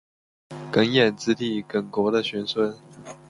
耿弇之弟耿国的玄孙。